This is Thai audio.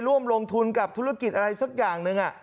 ร่วมลงทุนกับธุรกิจอะไรสักอย่างหนึ่ง